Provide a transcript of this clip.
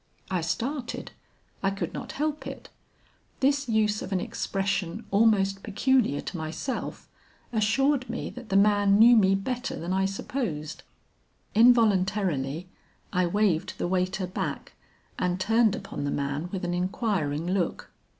"I started. I could not help it; this use of an expression almost peculiar to myself, assured me that the man knew me better than I supposed. Involuntarily I waved the waiter back and turned upon the man with an inquiring look.